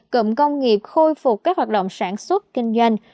cụm công nghiệp khôi phục các hoạt động sản xuất kinh doanh